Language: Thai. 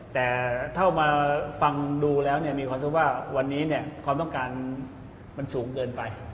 แต่ถ้ามาฟังดูแล้วมีความรู้สึกว่าวันนี้ความต้องการมันสูงเกินไป